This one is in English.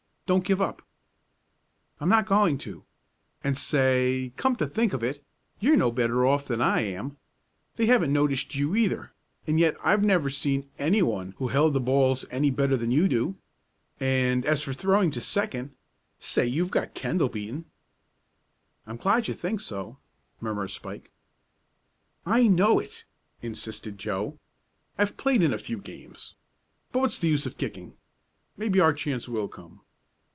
Don't give up!" "I'm not going to. And say, come to think of it, you're no better off than I am. They haven't noticed you either, and yet I've never seen anyone who held the balls any better than you do. And, as for throwing to second say, you've got Kendall beaten." "I'm glad you think so," murmured Spike. "I know it!" insisted Joe. "I've played in a few games. But what's the use of kicking? Maybe our chance will come."